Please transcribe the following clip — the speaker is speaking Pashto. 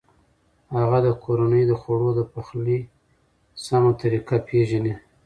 هغه د کورنۍ د خوړو د پخلي سمه طریقه پېژني.